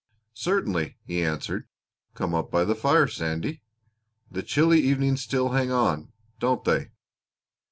"Certainly," he answered. "Come up by the fire, Sandy. The chilly evenings still hang on, don't they?"